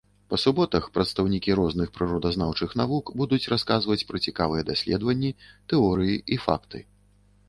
Па суботах прадстаўнікі розных прыродазнаўчых навук будуць расказваць пра цікавыя даследаванні, тэорыі і факты.